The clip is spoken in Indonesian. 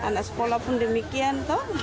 anak sekolah pun demikian